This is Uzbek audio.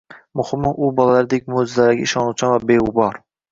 Muhimi, u bolalardek mo``jizalarga ishonuvchan va beg`ubor